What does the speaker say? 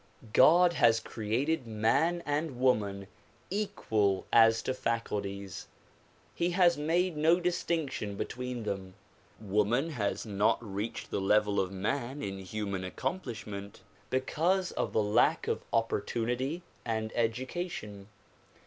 God has created man and woman equal as to faculties. He has made no distinction between them. Woman has not reached the level of man in human accom plishment because of the lack of opportunity and education.